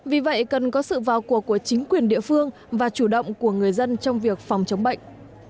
vì vậy cần có sự vào cuộc của chính quyền địa phương và chủ động của người dân trong việc phòng chống bệnh